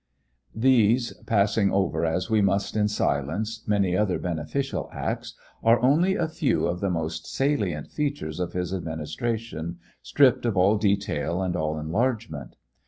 These, passing over as we must in silence many other beneficent acts, are only a few of the most salient features of his administration, stripped of all detail and all enlargement.